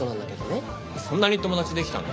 そんなに友達できたの？